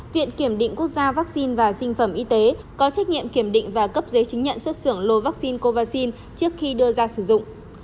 viện kiểm định quốc gia vaccine và sinh phẩm y tế có trách nhiệm kiểm định và cấp giấy chứng nhận xuất xưởng lô vaccine covid đưa ra sử dụng